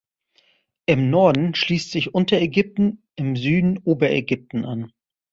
Im Norden schließt sich Unterägypten, im Süden Oberägypten an.